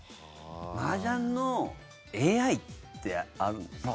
マージャンのＡＩってあるんですか？